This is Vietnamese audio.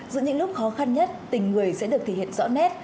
giữa những lúc khó khăn nhất tình người sẽ được thể hiện rõ nét